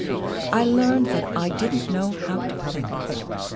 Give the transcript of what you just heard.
I learned that I didn't know how to think.